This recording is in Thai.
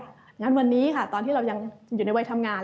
งั้นวันนี้ค่ะตอนที่เรายังอยู่ในวัยทำงาน